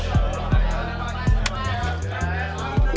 apaan sih ini aman